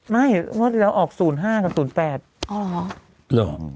ไม่ไหมแล้วออก๐๕กับ๐๘